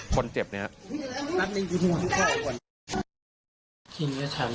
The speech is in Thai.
คนเจ็บเนี้ยครับ